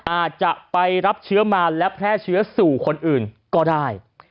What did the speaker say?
อาจจะไปรับเชื้อมาและแพร่เชื้อสู่คนอื่นก็ได้